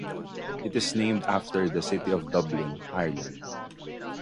It is named after the city of Dublin, Ireland.